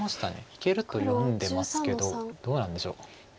いけると読んでますけどどうなんでしょう。